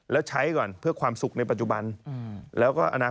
แล้วใช้ก่อนเพื่อความสุขในปัจจุบัน